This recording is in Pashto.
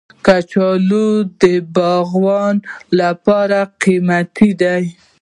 کچالو د باغوان لپاره قیمتي دی